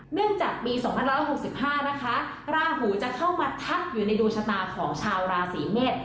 เนื่องจากปี๒๑๖๕นะคะราหูจะเข้ามาทับอยู่ในดวงชะตาของชาวราศีเมษ